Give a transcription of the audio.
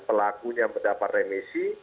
pelakunya mendapat remisi